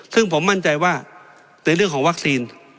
ซึ่งผมมั่นใจว่าในเรื่องของวัคซีน